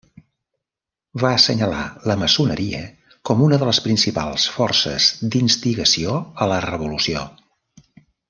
Va assenyalar la maçoneria com una de les principals forces d'instigació a la revolució.